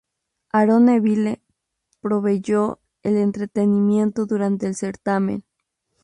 Aaron Neville proveyó el entretenimiento durante el certamen.